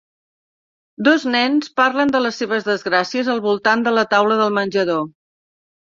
Dos nens parlen de les seves desgràcies al voltant de la taula del menjador.